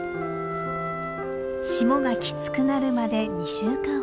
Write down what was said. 霜がきつくなるまで２週間ほど。